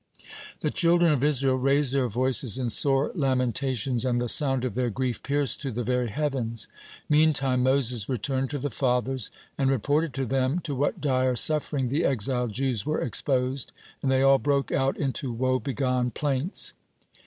The children of Israel raised their voices in sore lamentations, and the sound of their grief pierced to the very heavens. Meantime Moses returned to the Fathers, and reported to them to what dire suffering the exiled Jews were exposed, and they all broke out into woe begone plaints.